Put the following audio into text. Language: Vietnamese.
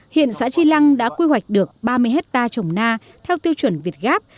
hiện xã chi lăng đã quy hoạch được ba mươi ha trồng na theo tiêu chuẩn việt gáp